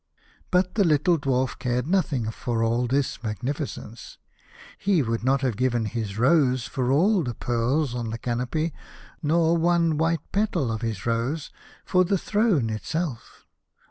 But the little Dwarf cared nothing for all this magnificence. He would not have given his rose for all the pearls on the canopy, nor one white petal of his rose for the throne itself.